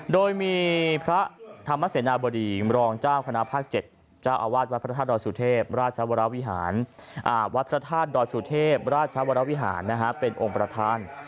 โดยมีพระธรรมเสนาบริมรองเจ้าคณะภาค๗วัดพระธาตุดอสุทธิบราชวราวิหารเป็นองค์ประธาน